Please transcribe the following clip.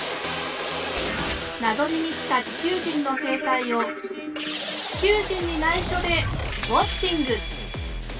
なぞに満ちた地球人の生態を地球人にないしょでウォッチング！